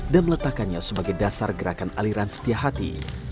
dan meletakkannya sebagai dasar gerakan aliran setia hati